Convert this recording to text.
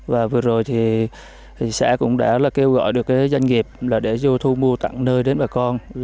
và vừa rồi xã cũng đã kêu gọi được doanh nghiệp để vô thu mua tặng nơi đến bà con